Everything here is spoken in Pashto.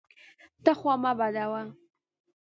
ته خوا مه بدوه!